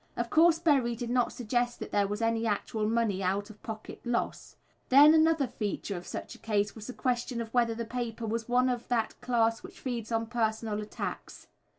Of course, Berry did not suggest that there was any actual money out of pocket loss. Then another feature of such a case was the question of whether the paper was one of that class which feeds on personal attacks.